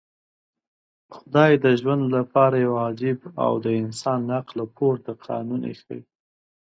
خدای د ژوند لپاره يو عجيب او د انسان له عقله پورته قانون ايښی.